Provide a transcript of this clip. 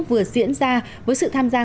vừa diễn ra với sự tham gia